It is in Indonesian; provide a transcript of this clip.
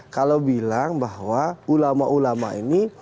kalau bilang bahwa ulama ulama ini